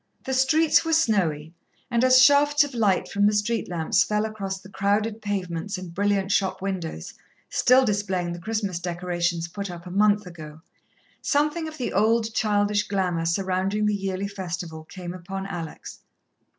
The streets were snowy, and as shafts of light from the street lamps fell across the crowded pavements and brilliant shop windows, still displaying the Christmas decorations put up a month ago, something of the old childish glamour surrounding the yearly festival came upon Alex.